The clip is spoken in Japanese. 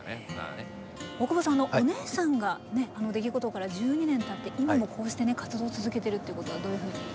大久保さんお姉さんがあの出来事から１２年たって今もこうして活動を続けてるってことはどういうふうに？